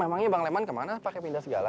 memangnya bang leman ke mana pake pindah segala